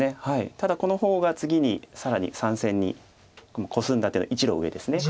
ただこの方が次に更に３線にコスんだ手の１路上ですね。